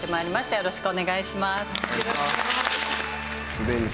よろしくお願いします。